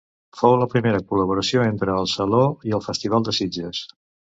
Fou la primera col·laboració entre el Saló i el Festival de Sitges.